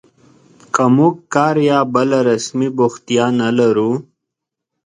که موږ کار یا بله رسمي بوختیا نه لرو